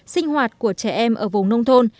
sinh hoạt của trẻ em ở vùng nông thôn